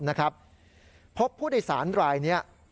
พบผู้โดยสารรายนี้